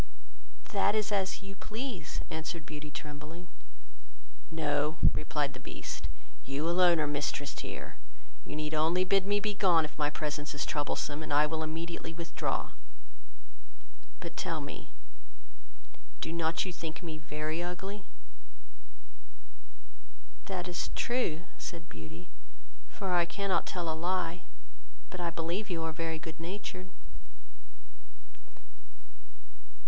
"That is as you please," answered Beauty, trembling. "No, (replied the Beast,) you alone are mistress here; you need only bid me be gone, if my presence is troublesome, and I will immediately withdraw: but tell me, do not you think me very ugly?" "That is true, (said Beauty,) for I cannot tell a lie; but I believe you are very good natured."